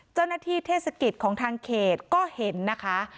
เจ้าหน้าที่เทศกิจของทางเขตก็เห็นนะคะ